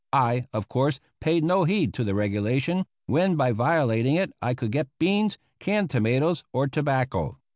I, of course, paid no heed to the regulation when by violating it I could get beans, canned tomatoes, or tobacco.